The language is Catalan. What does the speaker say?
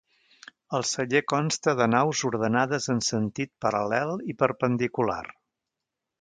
El celler consta de naus ordenades en sentit paral·lel i perpendicular.